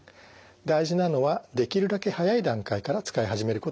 大事なのはできるだけ早い段階から使い始めることです。